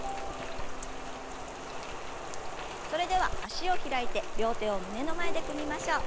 それでは脚を開いて両手を胸の前で組みましょう。